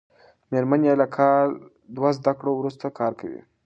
مېرمن یې له کال دوه زده کړو وروسته کار کوي.